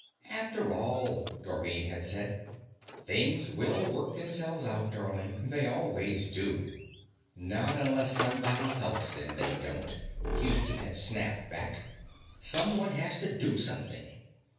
"After all," Dorrine had said, "things will work themselves out, darling; they always do." "Not unless somebody helps them, they don't," Houston had snapped back. "Someone has to do something."